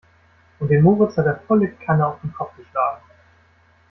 Und den Moritz hat er volle Kanne auf den Kopf geschlagen.